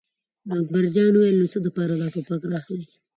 اکبر جان وویل: نو د څه لپاره دا ټوپک را اخلې.